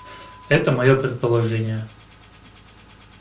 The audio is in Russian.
Это моё предположение.